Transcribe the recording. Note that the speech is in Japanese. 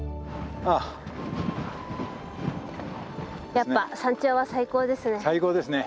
やっぱ山頂は最高ですね。